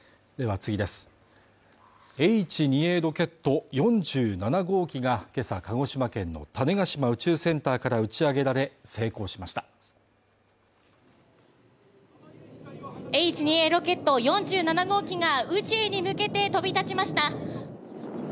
Ｈ２Ａロケット４７号機が今朝鹿児島県の種子島宇宙センターから打ち上げられ成功しましたＨ２Ａロケット４７号機が宇宙に向けて飛び立ちました